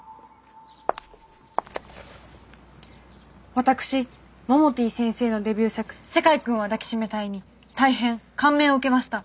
私モモティ先生のデビュー作「世界くんは抱きしめたい」に大変感銘を受けました。